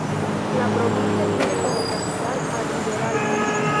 La provincia tiene como capital a Riberalta.